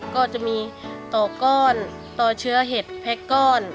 ก็จะมีต่อก้อนต่อเชื้อเห็ดแพ็คก้อน